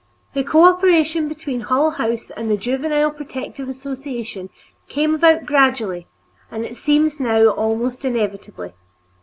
The cooperation between Hull House and the Juvenile Protective Association came about gradually, and it seems now almost inevitably.